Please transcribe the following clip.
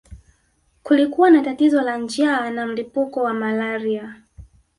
Kulikuwa na tatizo la njaa na mlipuko wa malaria